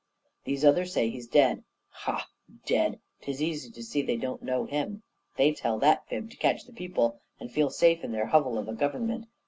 These others say he's dead. Ha, dead! 'Tis easy to see they don't know Him. They tell that fib to catch the people, and feel safe in their hovel of a government.